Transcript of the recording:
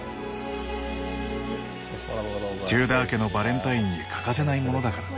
テューダー家のバレンタインに欠かせないものだからね。